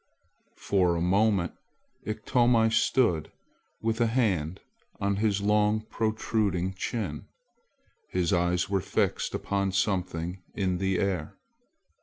For a moment Iktomi stood with a hand on his long protruding chin. His eyes were fixed upon something in the air.